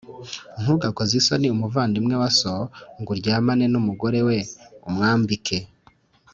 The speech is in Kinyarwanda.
Ntugakoze isoni umuvandimwe wa so ngo uryamane n umugore we umwambike